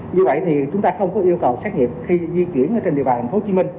như vậy thì chúng ta không có yêu cầu xét nghiệm khi di chuyển trên địa bàn tp hcm